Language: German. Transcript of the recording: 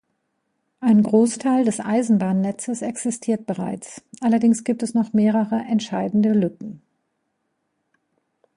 Ein Großteil des Eisenbahnnetzes existiert bereits, allerdings gibt es noch mehrere entscheidende Lücken.